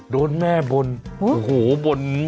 โดนแม่บลโหบลมากนะ